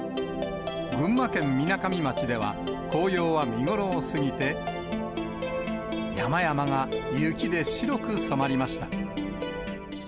群馬県みなかみ町では、紅葉は見頃を過ぎて、山々が雪で白く染まりました。